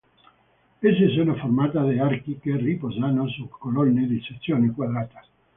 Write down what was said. Esse sono formata da archi che riposano su colonne di sezione quadrata.